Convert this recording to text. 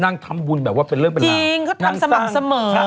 นางทำบุญแบบว่าเป็นเรื่องเป็นอะไร